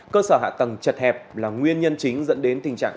cơ sở hạ tầng chật hẹp là nguyên nhân chính dẫn đến tình trạng